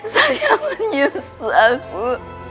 saya menyesal bu